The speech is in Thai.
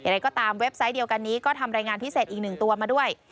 อะไรก็ตามเว็บไซต์เดียวกันนี้ก็ทำรายงานพิเศษอีกหนึ่งตัวมาด้วย